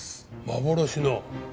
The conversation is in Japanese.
幻の。